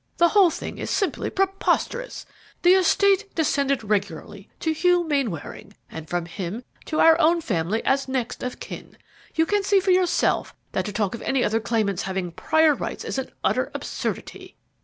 "The whole thing is simply preposterous. The estate descended regularly to Hugh Mainwaring, and from him to our own family as next of kin. You can see for yourself that to talk of any other claimants having prior rights is an utter absurdity."